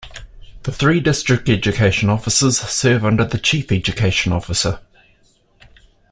The three District Education Officers serve under the Chief Education Officer.